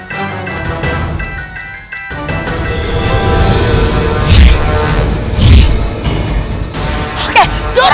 keluarin dari kantong saya cepetan